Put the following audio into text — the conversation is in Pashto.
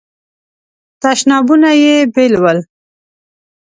تشنابونه یې بیل ول.